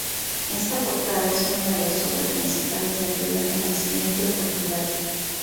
Esta portada es una de las obras principales del primer renacimiento en Portugal.